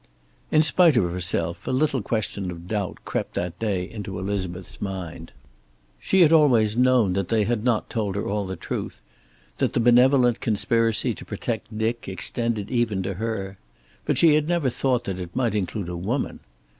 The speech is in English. In spite of herself a little question of doubt crept that day into Elizabeth's mind. She had always known that they had not told her all the truth; that the benevolent conspiracy to protect Dick extended even to her. But she had never thought that it might include a woman.